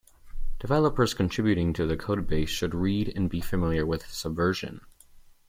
Developers contributing to the code base should read and be familiar with Subversion.